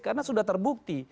karena sudah terbukti